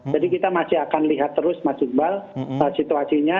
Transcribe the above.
jadi kita masih akan lihat terus mas jokbal situasinya